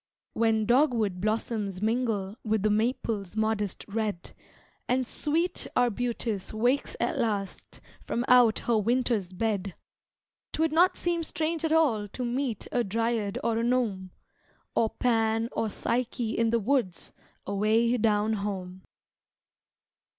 When dogwood blossoms mingle With the maple's modest red, And sweet arbutus wakes at last From out her winter's bed, 'T would not seem strange at all to meet A dryad or a gnome, Or Pan or Psyche in the woods Away down home.